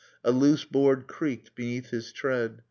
A loose board creaked beneath his tread.